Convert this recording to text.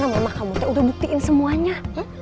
mama kamu udah buktiin semuanya